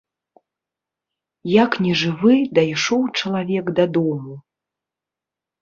Як нежывы, дайшоў чалавек дадому.